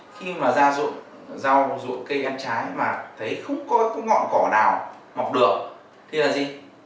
khi mà ra rượu rau rượu cây ăn trái mà thấy không có ngọn cỏ nào mọc được thì là gì